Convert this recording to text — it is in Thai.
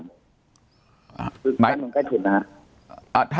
คือกั้นตรงใกล้ถุนนะครับ